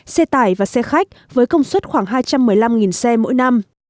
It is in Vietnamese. xe tải và xe khách với công suất khoảng hai trăm một mươi năm xe mỗi năm